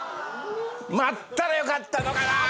待ったらよかったのかなぁ。